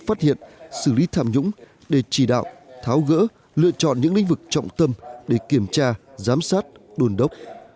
phát hiện xử lý tham nhũng để chỉ đạo tháo gỡ lựa chọn những lĩnh vực trọng tâm để kiểm tra giám sát đồn đốc